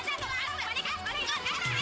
lalu dia ngasih tuh